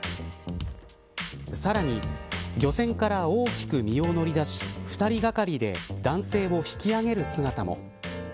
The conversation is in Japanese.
さらに、漁船から大きく身を乗り出し２人がかりで男性を引き上げる姿も。